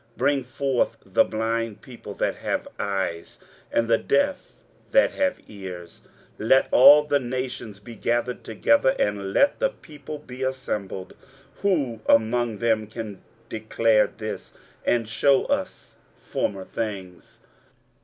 23:043:008 Bring forth the blind people that have eyes, and the deaf that have ears. 23:043:009 Let all the nations be gathered together, and let the people be assembled: who among them can declare this, and shew us former things?